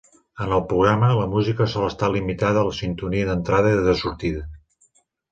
En el programa, la música sol estar limitada a la sintonia d'entrada i de sortida.